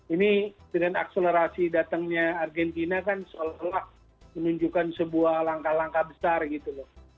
ini dengan akselerasi datangnya argentina kan seolah olah menunjukkan sebuah langkah langkah besar gitu loh